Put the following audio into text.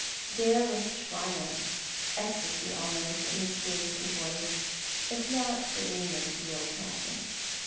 There was triumph, ecstasy almost, in his face and voice, if not the ring of real passion.